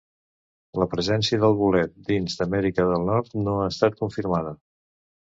La presència del bolet dins d'Amèrica del Nord no ha estat confirmada.